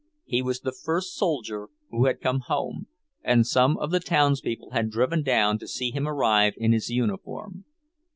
He was the first soldier who had come home, and some of the townspeople had driven down to see him arrive in his uniform.